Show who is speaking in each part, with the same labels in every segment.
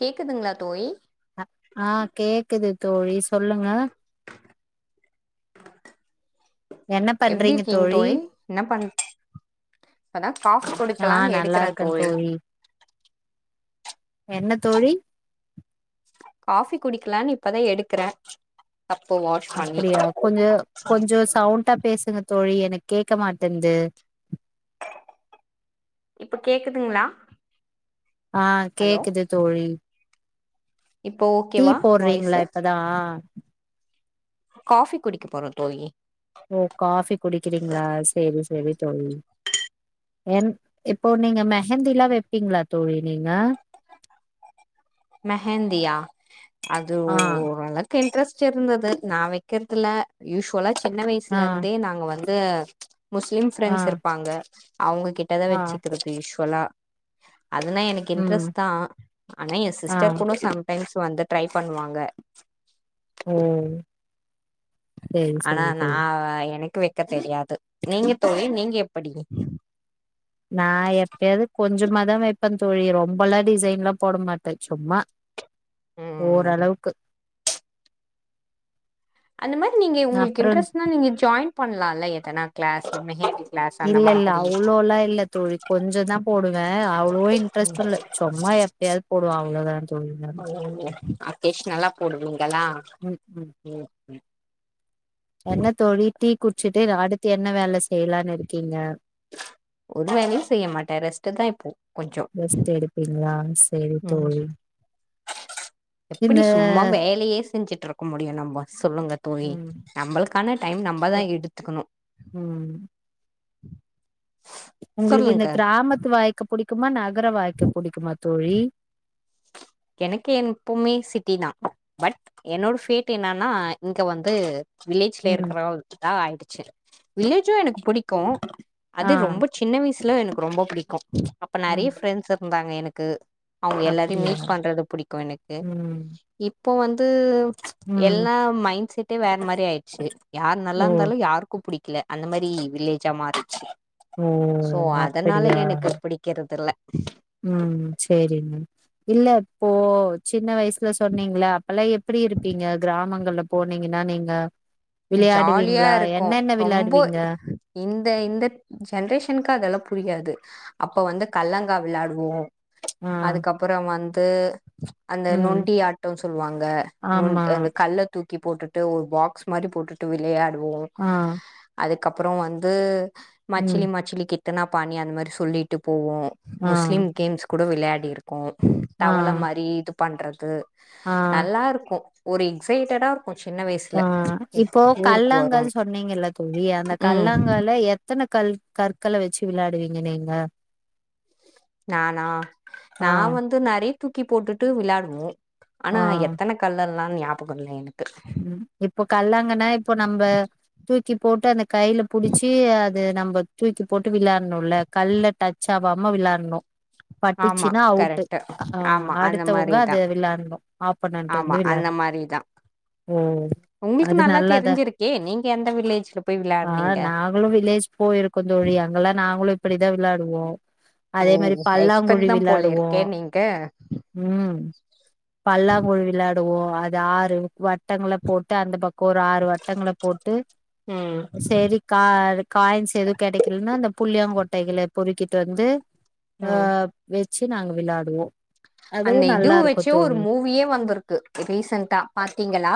Speaker 1: கேக்குதுங்களா தோழி
Speaker 2: அ ஆ கேக்குது தோழி சொல்லுங்க என்ன பண்றீங்க தோழி
Speaker 1: ஆன காஃபி
Speaker 2: ஆ
Speaker 1: குடுக்கலான்னு
Speaker 2: நல்லா
Speaker 1: எடுக்கிறே
Speaker 2: இருக்கே
Speaker 1: தோழி
Speaker 2: என்ன தோழி
Speaker 1: காஃபி குடிக்கலான்னு இப்பதா எடுக்கறே கப்பு வாஷ் பண்ணி
Speaker 2: அப்டியா கொஞ்சோ கொஞ்சோ சவுண்டா பேசுங்கத் தோழி எனக்கு கேக்க மாட்டேன்து
Speaker 1: இப்ப கேக்குதுங்களா
Speaker 2: ஆ,
Speaker 1: ஹலோ
Speaker 2: கேக்குது தோழி
Speaker 1: இப்போ
Speaker 2: டீ
Speaker 1: ஓகேவா
Speaker 2: போட்றீங்களா
Speaker 1: வாய்ஸு
Speaker 2: இப்பதா
Speaker 1: காஃபி குடிக்க போறோ தோழி
Speaker 2: ஓ காஃபி குடிக்கிறீங்களா சரி ஸ் செரி தோழி என் இப்போ நீங்க மெஹந்திலா வைப்பீங்களா தோழி நீங்க
Speaker 1: மெஹந்தியா அது
Speaker 2: ஆ
Speaker 1: ஓரளவுக்கு இன்ட்ரெஸ்ட் ச்சிருந்தது நா வைக்கறத்தில்ல யூஸுவலா ச் சின்ன
Speaker 2: ஆ
Speaker 1: வயசுல இருந்தே நாங்க வந் து முஸ்லிம்
Speaker 2: ஆ
Speaker 1: ஃப்ரெண்ட்ஸ் இருப்பாங்க அவங்க கிட்ட தா
Speaker 2: ஆ
Speaker 1: வச்சுக்கிறது ஈஷு தொலா அதுனா எனக்கு
Speaker 2: ம்
Speaker 1: இன்ட்ரெஸ்ட் தா ஆனயஸ்
Speaker 2: ஆ
Speaker 1: சிஸ்டர் கூட [unintelligible] டைம்ஸ் வந்து டரை பண்ணுவாங்க
Speaker 2: உஹம்
Speaker 1: ஆனா நா எனக்கு வெ தெரியாது நீங்க தோழி நீங்க எப்படி
Speaker 2: நா எப்பயாவது கொஞ்சமாதா வெப்பேங் தோழி ரொம்பெல்லா டிசைன் லா போட மாட்டே சும்மா
Speaker 1: ம்
Speaker 2: ஓரளவுக்கு
Speaker 1: அந்த மாரி நீங்க உங்களுக்கு
Speaker 2: அப்றோ
Speaker 1: இன்ட்ரெஸ்ட்னா நீங்க ஜாயின் பண்ணலாம்ல எதனா கிளாஸ் [unintelligible]
Speaker 2: இல்ல இல்ல
Speaker 1: மாதிரி
Speaker 2: அவ்வளோல்லா இல்ல தோழி கொஞ்சோ தா போடுவே அவ்வளோ இன்ட்ரெஸ்டு இல்ல சும்மா எப்பயாவது போடுவ அவ்ளோதா தோழி நானு.
Speaker 1: [unintelligible] அகேஷ்னலா போடுவீங்க க்கல்லா
Speaker 2: ம் ம்
Speaker 1: உம் ம்
Speaker 2: என்ன தோழி டீ குடிச்சுட்டு அடுத்து என்ன வேல செய்யலான்னு இருக்கீங்க
Speaker 1: ஒரு வேலையு செய்ய மாட்டே ரெஸ்ட் தா இப்போ கொஞ்சோ
Speaker 2: ரெஸ்ட் எடுப்பீங்களா சேரி
Speaker 1: உம்
Speaker 2: தோழி
Speaker 1: எப்டி
Speaker 2: இந்த
Speaker 1: சும்மா வேலையே செஞ்சுட்டு இருக்க முடியு நம்ம சொல்லுங்க தோழி
Speaker 2: ம்
Speaker 1: நம்மளுக்கான டைம் நம்மதா
Speaker 2: ஒ
Speaker 1: எடுத்துக்கணு
Speaker 2: ம்
Speaker 1: உஹம்
Speaker 2: உங்களுக்கு இந்த கிராமத்து வாய்க்க புடி குமனாக் [unintelligible] வாய்க்க புடிக்குமா தோழி
Speaker 1: எனக்கு என் எப்பவுமே சிட்டி தா பட் என்னோட பேஃட் என்னன்னா இங்க வந்து வில்லேஜ்ல
Speaker 2: ம்
Speaker 1: இருக்கறவங்க தா ஆயிடுச்சு வில்லேஜும் எனக்கு புடிக்கு
Speaker 2: ஆ
Speaker 1: அது ரொம்ப சின்ன வயசு சுல எனக்கு ரொம்ப புடிக்கு அப்ப நெறைய
Speaker 2: ம்
Speaker 1: ஃரெண்ட்ஸ் இருந்தாங்க எனக்கு க அவங்க எல்லாரையு மீ
Speaker 2: அப்டியா
Speaker 1: புடிக்கு எனக்கு
Speaker 2: ம்
Speaker 1: இப்போ வந்து
Speaker 2: ம்
Speaker 1: எல்லா மைண்ட் செட் வேற மாதிரி ஆயிடுச்சு யார் நல்லா
Speaker 2: ஓ
Speaker 1: இருந்தாலும் யாருக்கும் புிடிக்கும் இல்ல அந்த மாரி வில்லேஜ்ஜா மாறிருச்சு
Speaker 2: ஓ
Speaker 1: சோ அதனால எனக்கு பிடிக்கிறதுல
Speaker 2: உம் சரிங்க இல்ல இப்போ சின்ன வயசுல சொன்னீங்கள ல்லாம் எப்படி இருப்பீங்க கிராமங்கள் உள்ள போனீங்கள்ளா நீங்க
Speaker 1: ஜாலியா
Speaker 2: விளையாடுவீங்களா
Speaker 1: இருக்கும்
Speaker 2: என்னென்ன
Speaker 1: ரொம்ப
Speaker 2: விளையாடுவீங்க
Speaker 1: இந்த இந்த ஜென்ரேஷனுக்கு அதெல்லாம் புரியாது அப்ப வந்து கல்லங்கா விளையாடுவோம்
Speaker 2: ஆ
Speaker 1: அதுக்கப்புறம் வந் தோ அந்த
Speaker 2: ம்
Speaker 1: நொண்டி ஆட்டம் சொல்லுவாங்க ந
Speaker 2: ஆமா
Speaker 1: அந்த கல்ல தூக்கி தூக்கி போட்டுட்டு ஒரு பாக்ஸ் மாறி போட்டுட்டு ஒரு விளையா ம் அதுக்
Speaker 2: ஆ
Speaker 1: அதுக்கப்புறம் வந்து
Speaker 2: ம்
Speaker 1: மச்சிலி மச்சிலி கித் எத்தனா பானி அந்த மாரி சொல்லிட்டு போவோம்
Speaker 2: ஆ
Speaker 1: முஸ்லிம் கேர்ள்ஸ்க் கூட விளையாடி இருக் ப்ம்
Speaker 2: ஆ
Speaker 1: தவளை மாரி இது பண்றது
Speaker 2: ஆ
Speaker 1: நல்லா இருக்கும் ஒரு எக்ஸைட்டடா ஒரு சின்ன
Speaker 2: ஆ
Speaker 1: வயசுல
Speaker 2: இப்போ
Speaker 1: ஊருக்கு
Speaker 2: கல்லாங்
Speaker 1: வரோம்
Speaker 2: கல் சொன்னீங்கல்ல தோழி அந்த
Speaker 1: ம்
Speaker 2: கல்லாங்கல எத்தனை கல் கற்களை வச்சு விளையாடுவீங்க நீங்க
Speaker 1: நானா நா
Speaker 2: ஆ
Speaker 1: வந்து நரி தூக்கி போட்டுட்டு விளையாடுவோம் ஆனா எத்தனை கல்லல்லா ல்லாம் ஞாபகம்ல எனக்கு
Speaker 2: உம் இப்போ கல்லாங்கன்னா இப்போ நம்ப துக் தூக்கி போட்டு அந்த கைல புடிச்சி அது நம்ப தூக்கி போட்டு விளாட்ணும்ல கல்ல டச் ஆவாம விளாட்ணும்
Speaker 1: ஆமா
Speaker 2: பட்டிச்சுன்னா அவுட்
Speaker 1: கரெக்ட்டு
Speaker 2: அஹ்
Speaker 1: ஆமா அந்த
Speaker 2: அடுத்தவங்க
Speaker 1: மாரிதா
Speaker 2: அது விளாட்னோம் ஆப்பனன்ட்
Speaker 1: ஆமா
Speaker 2: வந்து
Speaker 1: அந்த
Speaker 2: விளாட்னோம்
Speaker 1: மாரிதா
Speaker 2: ஓ
Speaker 1: உங்களுக்கு
Speaker 2: அது
Speaker 1: நல்லா
Speaker 2: நல்லத
Speaker 1: தெரிஞ்சிருக்கே நீங்க எந்த வில்லேஜ்ல போய்
Speaker 2: ஆஹ்
Speaker 1: விளாடுனீங்க
Speaker 2: நாங்களும் வில்லேஜ் போயிருக்கோம் தோழி அங்கல்லாம் நா நாங்களும் இப்டிதான் விளாடுவோம்
Speaker 1: ஓ
Speaker 2: அதே மாரி
Speaker 1: எக்ஸ்பர்ட்
Speaker 2: பல்லாங்குழி
Speaker 1: தா போல இருக்கே
Speaker 2: விளாடுவோம்
Speaker 1: நீங்க
Speaker 2: உம் பல்லாங்குழி விளாடுவோம் அது ஆறு வட் வட்டங்கள போட்டு அந்த பக் ஒரு ஆறு வட்டங்கள போட்டு
Speaker 1: ம்
Speaker 2: சரி கா காயின்ஸ் எதுவும் கிடைக்கலன்னா அந்த புள்ளியங்க கொட் கட்டைகள பொறுக்கிட்டு வந்து
Speaker 1: ம்
Speaker 2: ஆஹ் வச் வெச்சு நாங்க விளாடுவோ அதுவு
Speaker 1: அந்த இது
Speaker 2: நல்லா இருக்கு
Speaker 1: வச்சு ஒரு
Speaker 2: தோழி
Speaker 1: மூவியே வந்துருக்கு ரீசன்டா பாத்தீங்களா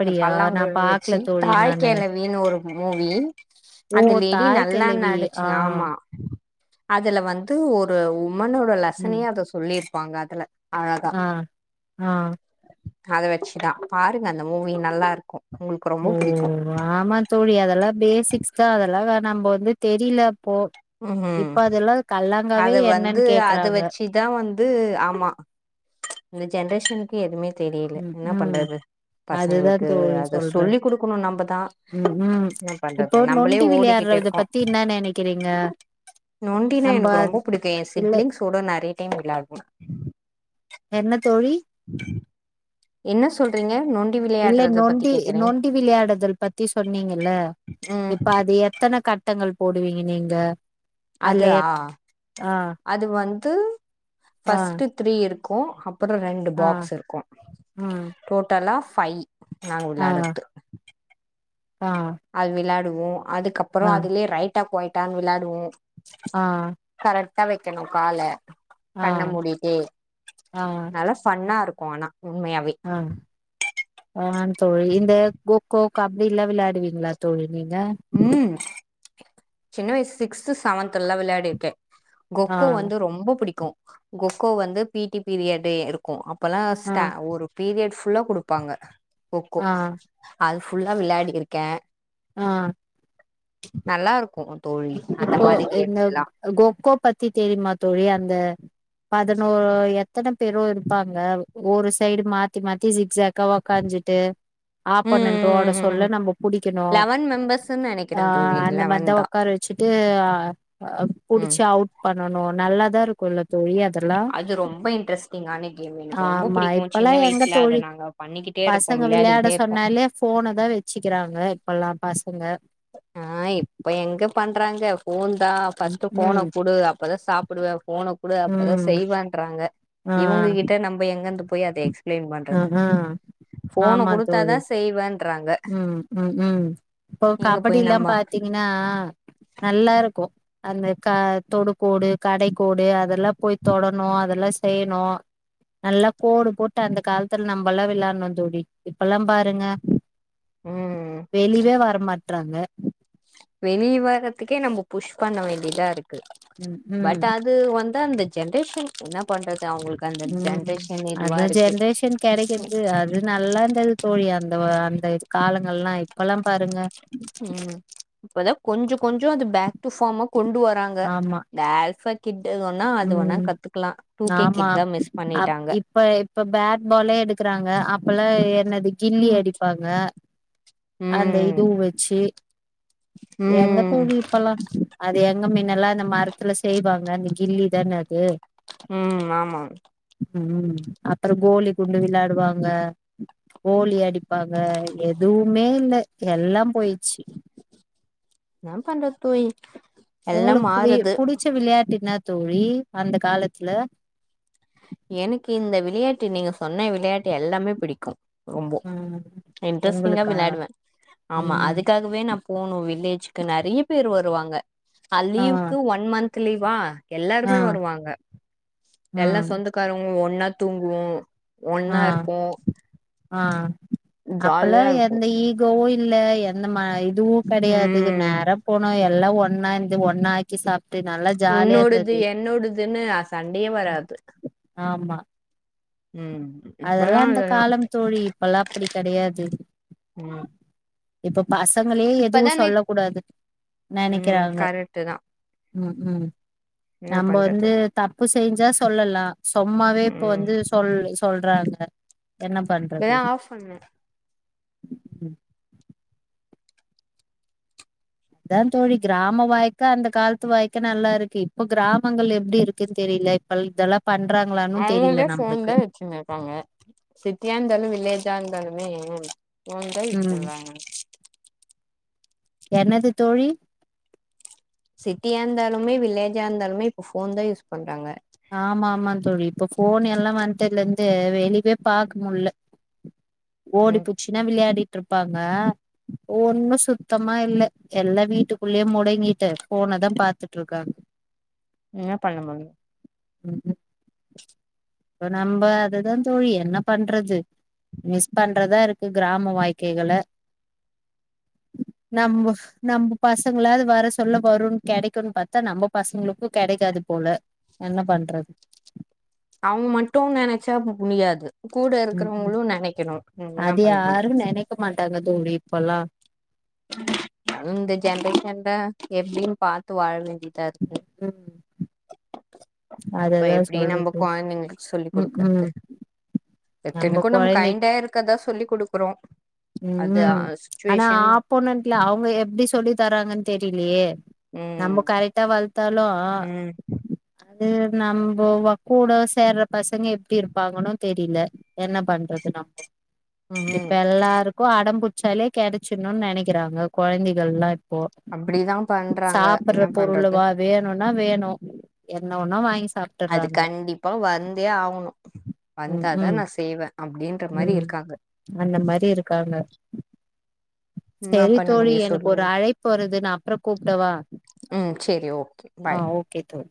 Speaker 1: இந்த
Speaker 2: நா
Speaker 1: பல்லாங்குழி
Speaker 2: பாக்கல
Speaker 1: வெச்சு
Speaker 2: தோழி
Speaker 1: தாய்
Speaker 2: நானு
Speaker 1: கெழவினு ஒரு மூவி
Speaker 2: ஓ
Speaker 1: அந்த லேடி
Speaker 2: தாய்
Speaker 1: நல்லா
Speaker 2: கெழவி
Speaker 1: நடிச்சு
Speaker 2: ஆ
Speaker 1: ஆமா அதுல வந்து ஒரு வுமன் ஓட லேசனையே அதுல சொ லிருப்பாங்க அதுல அழகா
Speaker 2: அஹ் ஆஹ்
Speaker 1: அத வெச்சுதா பாருங்க அந்த மூவி நல்லா இருக்கோ
Speaker 2: ஓ ஆமா தோழி அதெல்லா பேசிக்ஸ் தா அதெல்லா நம்ப வந்து தெரில போ
Speaker 1: ம்
Speaker 2: இப்ப அதல்லா கல்லா
Speaker 1: அத வந்து அத வெச்சுதா வந்து ஆமா இந்த ஜென் ரேஷன்கு எதுமே தெரில
Speaker 2: ம்
Speaker 1: என்ன
Speaker 2: ம்
Speaker 1: பண்றது
Speaker 2: அதுதா
Speaker 1: பசங்களுக்கு
Speaker 2: தோழி
Speaker 1: அது
Speaker 2: சொல்றே
Speaker 1: சொல்லி குடுக்கணு நம்பதா
Speaker 2: ம் ம்
Speaker 1: என்ன
Speaker 2: இப்போ
Speaker 1: பண்றது நம்பளே
Speaker 2: நொண்டி
Speaker 1: ஓடிக்கிட்டு
Speaker 2: விளையாடுறத
Speaker 1: இருக்கோ
Speaker 2: பத்தி என்ன நெனைக்கிறீங்க
Speaker 1: நொண்டினா
Speaker 2: நம்ப
Speaker 1: எனக் எனக் ரொம்ப புடிக்கோ என்
Speaker 2: இல்ல
Speaker 1: சிப்லிங்ஸ்சோட நெறைய டைம் விளாடுவோ
Speaker 2: என்ன தோழி
Speaker 1: என்ன சொல்றீங்க நொன்
Speaker 2: இல்ல நொண்டி நொண்டி விளையாடுதல் பத்தி சொன்னீங்கல்ல
Speaker 1: ம்
Speaker 2: இப்ப அது எத்தன கட் கட்டங்கள் போடுவீங்க நீங்க
Speaker 1: அது
Speaker 2: அதுல எ
Speaker 1: ஆ
Speaker 2: ஆ
Speaker 1: அது வந் து
Speaker 2: ஆ
Speaker 1: ஃபர்ஸ்ட் த்ரீ இரு க்கு அ அப்பறோ ரெண்டு
Speaker 2: ஆ
Speaker 1: பாக்ஸ் இருக்கு
Speaker 2: ம்
Speaker 1: டோட்டலா ஃபை
Speaker 2: ஆ
Speaker 1: நாங்க [inaudible] து
Speaker 2: ஆ
Speaker 1: [unintelligible] வோ அதுக்கப்பறோ அதுலியே ரைட் ட்ட போயிட்டான் விளாடுவோ
Speaker 2: ஆஹ்
Speaker 1: டா வெக்கணு கால கண்ண மூடிட்டு நல்லா ஃபண்ணா இருக் [unintelligible] போணா
Speaker 2: ஆஹ் ஆஹ் ஆம் தோழி இந்த இந்த கோக்கோகக்... கப்டி லா விளையாடுவீங்களா தோழி நீங்க
Speaker 1: உம் சின்ன வயசு சிக்ஸ்து செவன்த் எல்லாம் விளையாடி இருக்கே
Speaker 2: ஆ
Speaker 1: கொக்கோ வந்து ரொம்ப புடிக்கும் கொக்கோ வந்து பிடி பீரியட் இருக்கூ அப் இப்பெல்லாம்
Speaker 2: ஆ
Speaker 1: [unintelligible] ஒரு பீரியட் ஃபுல்லா கொடுப்பாங்க. கொக்கோ
Speaker 2: ஆ
Speaker 1: அது ஃபுல்லா விளையாடி இருக்கேன்
Speaker 2: ஆஹ்
Speaker 1: நல்லா இருக்கூ
Speaker 2: இப்போ இந்த கோகோ பத்தி தெரியுமா தோழி அந்த பதினோரு எத்தன பேரு இருப்பாங்க ஒரு சைடு மாத்தி மாத்தி ஜிக் ஜக் உக்காஞ்சிட்டு
Speaker 1: ம்
Speaker 2: ஆப்பண்ணன்ட்டுட
Speaker 1: ம் ம் ம்
Speaker 2: சொல்ல நம்ம புடிக்கணு
Speaker 1: லெவன் மெம்பர்ஸ்ன்னு நெனைக்கிறே
Speaker 2: ஆஹ்
Speaker 1: தோழி
Speaker 2: அந்த
Speaker 1: லெவன்
Speaker 2: மாதிதான்
Speaker 1: தா
Speaker 2: உக்காரச்ச வச்சட்டு [unintelligible]
Speaker 1: ம்
Speaker 2: புடிச்சு அவுட் பண்ணனும் நல்லாதான் இருக் குல்ல தோழி அது
Speaker 1: அது ரொம்ப இன்ட்ரெஸ்டிங்கான கேம் எனக்கு ரொம்ப
Speaker 2: ஆமா
Speaker 1: பிடிக்கு சின்ன
Speaker 2: இப்பல்லாம் எங்க
Speaker 1: வயசுல அத
Speaker 2: தோழி
Speaker 1: நாங்க பண்ணிக்கிட்டே இருப்போ
Speaker 2: பசங்க விளையாட
Speaker 1: விளையாடிக்கிட்டே இருப்போ
Speaker 2: சொன்னாலே போனதான் வச்சுக்கிறாங்க. பல்லா பசங்க
Speaker 1: ஆஹ் இப்ப எங்க பண்றாங்க ஃபோன் தா ஃபஸ்ட்டு ஃபோன
Speaker 2: ம்
Speaker 1: குடு அப்பதா சாப்புடுவ ஃபோனக் குடு அப்பதா
Speaker 2: ம்
Speaker 1: செய்வன்றாங்க
Speaker 2: ஆ
Speaker 1: இவுங்கக்கிட்ட நம்ப எங் கேந்து போய் அத எக்ஸ்ப்ளைன்
Speaker 2: ஆ
Speaker 1: பண்றது
Speaker 2: ஆ
Speaker 1: ஃபோன குடுத்தா தா செய்வன்
Speaker 2: உம் உம் உம் [unintelligible]
Speaker 1: எங்க போய்
Speaker 2: கபடில்லா
Speaker 1: நம்ம
Speaker 2: பாத்தீங்கன்னா நல்லா இருக்கு அந்த த தொடு கோடு கடைக்கோடு அத ல்லா போய் தொடணு அதெல்லா செ செய்ணு நல்லா கோடு போட்டு அந்த காலத்துல நம்பல்லா விளாட்ணோ தோழி இப்பல்லாம் பாருங்க
Speaker 1: ம்
Speaker 2: வெளிவே வரமா ட்றாங்க
Speaker 1: வெளிய வரத்துக்கே நம்ப புஷ் பண்ண வேண்டியதா இருக் கு
Speaker 2: ம் ம்
Speaker 1: பட் அது வந் து அந்த ஜென்ரேஷன் என்ன பண்ற
Speaker 2: உம் அந்த ஜென்ரேஷன் கெடைக்கெற்து அது நல்லா இருந்தது தோழி அந்த வ அந்த கால ங்கல்லா இப்பல்லாம் பாருங்க
Speaker 1: உம் இப்பதா கொஞ்சொ கொஞ்சொ அது பேக் டு ஃபாமா கொண்டு வராங்க இந்த ஆல்ஃபா கிட் வேணா அது வேணா
Speaker 2: உம்
Speaker 1: கத்துக்கலா டூ கே
Speaker 2: ஆமா
Speaker 1: கிட் தா மிஸ்
Speaker 2: அப்
Speaker 1: பண்ணிட்டாங்க
Speaker 2: இப்ப இப்ப பேட்பாலே எடுக்குறாங்க அப்பல்லா என்னது கில்லி
Speaker 1: ம்
Speaker 2: அடிப்பாங்க அந்த
Speaker 1: ம்
Speaker 2: இது உ வச்சி எங்க
Speaker 1: ம்
Speaker 2: தோழி இப்பல்லா அது எங் ங்க மீனல்லா அந்த மரத்துல செய்வாங்க கில்லி தான அது
Speaker 1: உம் ஆமா
Speaker 2: உம் அப்பறோ கோலி குண்டு விளாடுவாங்க கோலி அடிப்பாங்க எதுவுமே இல்ல எல்லாம் போயிச்சி
Speaker 1: னா பண்றது தோயி
Speaker 2: உங்களுக்கு புவி புடிச்ச விளையாட்டு என்னா தோழி அந்த காலத்ல
Speaker 1: எனக்கு இந்த விளையாட்டு நீங்க சொன்ன விளையாட்டு எல்லாமே பிடிக்கு ரொம்போ
Speaker 2: ம்
Speaker 1: இன்ட்ரெஸ்ட்டிங்கா
Speaker 2: உங்களுக்கா
Speaker 1: விளாடுவ ஆமா
Speaker 2: ம்
Speaker 1: அதுக்காகவே நா போனு வில்லேஜ் நறிய பேர் வருவாங்க
Speaker 2: ஆ
Speaker 1: அலீவ்க்கு ஒன் மந்த் துலீவா
Speaker 2: ஆ
Speaker 1: எல்லார்மே வருவாங்க எல்லா
Speaker 2: ம்
Speaker 1: சொந்தக்காரு உ ஒன்னா தூங்குவோ ஒன்னா இர்ப்போ
Speaker 2: அ அப்பலா எந்த ஈகோவு இ இல்ல எந்த மானா இர் துவு கடையாது உர்
Speaker 1: ம்
Speaker 2: நேரா போனு எ எல்லா ஒண்ணாந்து ஒண்ணா ஆக்கி சாப்
Speaker 1: உன்னோடது என்னோடதுன்னு அ சண்டையே வராது
Speaker 2: ஆமா
Speaker 1: ம்
Speaker 2: அதெல்லா
Speaker 1: இப்பதா
Speaker 2: அந்த
Speaker 1: இதெல்லா
Speaker 2: காலம் தோழி இப்பல்லா அப்டி கெடையாது
Speaker 1: ம்
Speaker 2: இப்ப பசங்களே எதுவு
Speaker 1: இப்பதானே
Speaker 2: சொல்ல கூடாது
Speaker 1: ம்
Speaker 2: நெனைக்கிறாங்க
Speaker 1: கரெக்ட் தா
Speaker 2: ம் ம்
Speaker 1: என்ன
Speaker 2: நம்ம வந்து
Speaker 1: பண்றது
Speaker 2: தப்பு செஞ்சா சொல்லலா சும்மாவே இப்ப
Speaker 1: ம்
Speaker 2: வந்து சொல் சொல்றாங்க என்ன
Speaker 1: இப்பதா ஆஃப் பண்ண
Speaker 2: ம் அதா தோழி கிராம வாழ்க்க அந்த காலத்து வாழ்க்க நல்லா இருக்கு இப்ப கிராமங்கள் எப்டி இருக்குன்னு தெரில இப்ப இதெல்லா பண்றாங்களான்னு தெரியல
Speaker 1: அவங்களே ஃபோன்
Speaker 2: நம்மளுக்கு
Speaker 1: தா வச்சின்னு இருக்காங்க சிட்டியா இருந்தாலு வில்லே ஜ்ஜாருந்தாலுமே ஃபோன்தா யூஸ்
Speaker 2: ம்
Speaker 1: பண்றாங்க
Speaker 2: என்னது தோழி
Speaker 1: சிட்டியா இருந்தாலுமே வில்லேஜ்ஜா இருந்தாலுமே இப்ப ஃபோன்தா யூஸ் பண்றாங்க
Speaker 2: ஆமா ஆமா தோழி இப்ப ஃபோன் எல்லா வந்ட்டதுலருந்து வெளியவே பாக்க முடில ஓடி
Speaker 1: ம்
Speaker 2: புச்சினா விள்யாடி ட்ருப்பாங்க ஒன்னு சுத்தமா இல்ல எல்லா வீட்டுக்குள்யே முடங்கீட்ட ஃபோனதா பாத்துட்ருக்காங்
Speaker 1: ன்னா பண்ண முட்யு
Speaker 2: ஒ நம்ப அதுதா தோழி என்ன பண்றது மிஸ் பண்றதா இருக்கு க்ராம வாய்கைகள நம்போ நம்பு பசங்ளாது வற சொல்ல வறுன் கெடக்குன் பாத்தா நம்ப பசங்ளுக்கு கெடக்காது போல என்ன பண்றத்
Speaker 1: அவுங் மட்டு நெனச்சாப்பு புனியாது கூட
Speaker 2: ம் ம்
Speaker 1: இருக்கிறவுங்குளு நெனக்கிணு
Speaker 2: அது யாரும் நெனைக்க மாட்டாங்க தோ ழி இப்பல்லா
Speaker 1: இந்த ஜென்ரேஷன்ல எப்டின் பாத்து வாழ் வே இதா ருக்கு
Speaker 2: ம்
Speaker 1: அப்ப
Speaker 2: அததா
Speaker 1: எப்படி நம்ப
Speaker 2: சொல்றது
Speaker 1: கொழந்தைங்ளுக்கு சொல்லிக்
Speaker 2: ம்
Speaker 1: குடுக்றது
Speaker 2: ம்
Speaker 1: எத்தனைக்கும் நம்ம கைண்டா இருக்கதா சொல்லி குடுக் றோம்
Speaker 2: ம் ஆனா ஆப்போனன்ட்ல அவுங்க எப்படி சொல்லி தராங்கனு தெரிலயே
Speaker 1: ம்
Speaker 2: நம்ம கரெக்டா வ தாலோ
Speaker 1: ம்
Speaker 2: அது நம்ப கூட சேர்ற பசங்க எப்டி இருப்பாங்கன்னு தெரில என்ன பண்றது நம்போ
Speaker 1: ம்
Speaker 2: அடம்புச்சாலே கெடைச்சிடுணு நெனைக்கிறாங்க கொழந்தைங்க லாப் இப்போ
Speaker 1: அப்டிதா பண்றாங்க
Speaker 2: சாப்பட்ற
Speaker 1: என்ன பண்றது
Speaker 2: பொருள்ளவா வேணும் அதா வேணும் என்ன வேணா வாங்கி சா
Speaker 1: அது கண்டிப்பா வந்தே ஆகணும்
Speaker 2: ம்
Speaker 1: வந்தாதான்
Speaker 2: ம்
Speaker 1: நான் செய்வேன் அப்படின்ற மாதிரி இருக்காங்க என்னா
Speaker 2: சரி
Speaker 1: பண்ண
Speaker 2: தோழி
Speaker 1: முடியு
Speaker 2: எனக்கு ஒரு
Speaker 1: சொல்லுங்க
Speaker 2: அழைப்பு வருது நா அப்புறோ கூப்பிடவா
Speaker 1: ம் சேரி ஓகே பாய்
Speaker 2: ஆ ஓகே தோழி